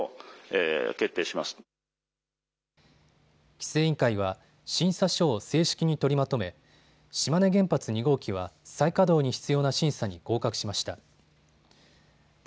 規制委員会は審査書を正式に取りまとめ島根原発２号機は再稼働に必要な審査に合格しました。